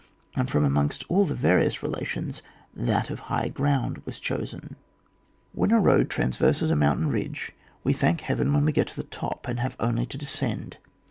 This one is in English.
And from amongst all its various relations, that of high ground was chosen. Where a road traverses a mountain ridge, we thank heaven when we get to the top and have only to descend.